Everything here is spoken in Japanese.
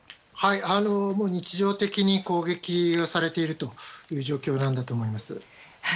日常的に攻撃をされているという状況なんだと思います。